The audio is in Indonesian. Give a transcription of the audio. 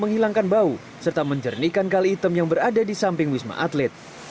menghilangkan bau serta menjernihkan kali item yang berada di samping wisma atlet